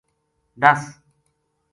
دس !‘‘